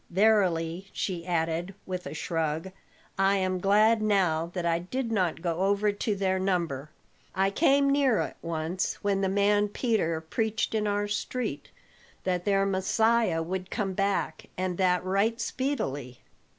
Verily," she added with a shrug, "I am glad now that I did not go over to their number; I came near it once when the man Peter preached in our street that their Messiah would come back and that right speedily.